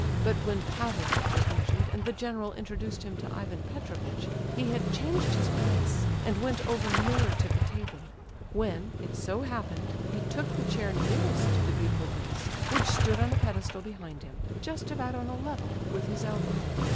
But when Pavlicheff was mentioned and the general introduced him to Ivan Petrovitch, he had changed his place, and went over nearer to the table; when, it so happened, he took the chair nearest to the beautiful vase, which stood on a pedestal behind him, just about on a level with his elbow.